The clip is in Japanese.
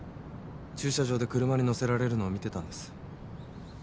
駐車場で車に乗せられるのを見てたんです。